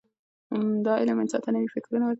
دا علم انسان ته نوي فکرونه ورکوي.